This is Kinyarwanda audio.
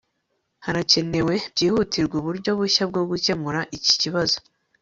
harakenewe byihutirwa uburyo bushya bwo gukemura iki kibazo